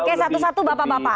oke satu satu bapak bapak